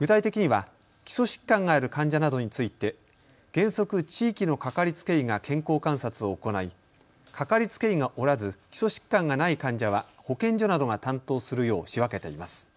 具体的には基礎疾患がある患者などについて原則、地域の掛かりつけ医が健康観察を行い掛かりつけ医がおらず基礎疾患がない患者は保健所などが担当するよう仕分けています。